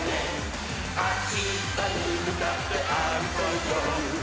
「あしたにむかってあるこうよ」